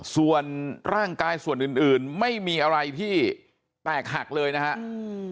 ส่วนร่างกายส่วนอื่นอื่นไม่มีอะไรที่แตกหักเลยนะครับ